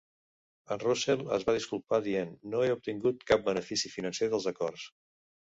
En Russell es va disculpar dient: no he obtingut cap benefici financer dels acords.